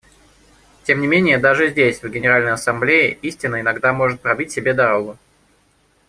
Тем не менее даже здесь, в Генеральной Ассамблее, истина иногда может пробить себе дорогу.